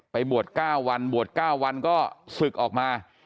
บวช๙วันบวช๙วันก็ศึกออกมา